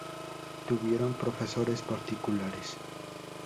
Tuvieron profesores particulares.